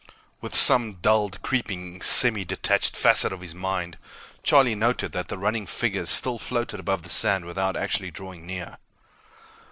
With some dulled, creeping, semi detached facet of his mind, Charlie noted that the running figures still floated above the sand without actually drawing near.